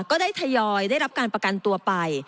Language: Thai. ก็ได้ทยอยได้รับการประกันตัวไป